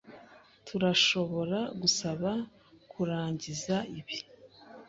Turashobora gusaba kurangiza ibi?